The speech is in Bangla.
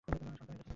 শান্ত হও, ঠিক আছে?